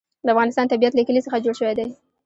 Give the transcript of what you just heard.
د افغانستان طبیعت له کلي څخه جوړ شوی دی.